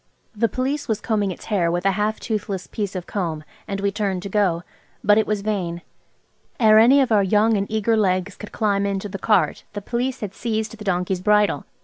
The Police was combing its hair with a half toothless piece of comb, and we turned to go. But it was vain. Ere any of our young and eager legs could climb into the cart the Police had seized the donkey's bridle.